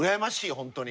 本当に。